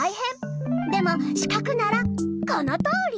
でもしかくならこのとおり！